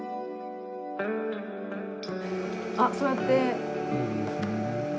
あそうやって。